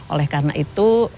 oleh karena itu